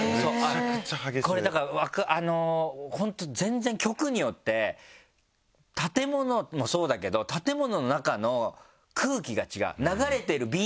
これだから本当全然局によって建物もそうだけど建物の中の空気が違う。